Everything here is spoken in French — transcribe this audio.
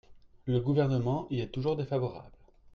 Le Gouvernement y est toujours défavorable.